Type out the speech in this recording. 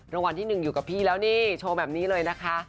รางวัลที่๑อยู่กับพี่แล้วนี่โชว์แบบนี้เลยนะคะ